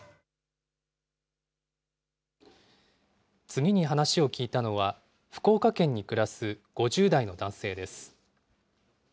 次に話を聞いたのは、福岡県に暮らす５０代の男性です。